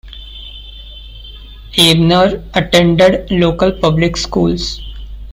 Abner attended local public schools.